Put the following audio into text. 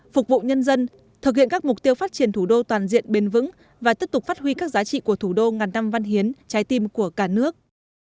phục vụ nhân dân thực hiện các mục tiêu phát triển thủ đô toàn diện bền vững và tiếp tục phát huy các giá trị của thủ đô ngàn năm văn hiến trái tim của cả nước